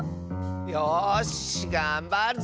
よしがんばるぞ！